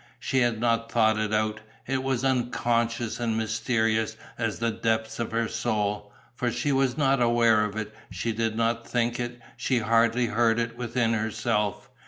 She had not thought it out; it was unconscious and mysterious as the depths of her soul. For she was not aware of it, she did not think it, she hardly heard it within herself.